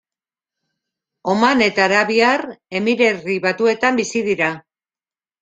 Oman eta Arabiar Emirerri Batuetan bizi dira.